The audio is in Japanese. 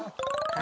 あ。